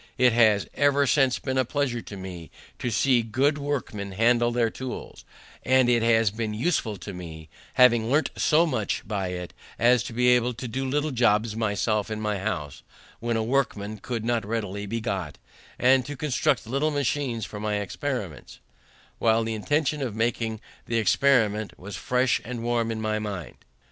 It has ever since been a pleasure to me to see good workmen handle their tools; and it has been useful to me, having learnt so much by it as to be able to do little jobs myself in my house when a workman could not readily be got, and to construct little machines for my experiments, while the intention of making the experiment was fresh and warm in my mind.